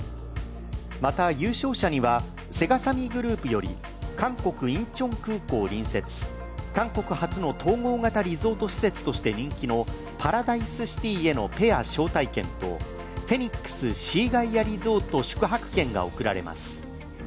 また優勝者には、セガサミーグループより韓国インチョン空港隣接、韓国初の統合型リゾート施設として人気のパラダイスシティへのペア招待券とフェニックス・シーガイア・リゾート宿泊券が贈られます。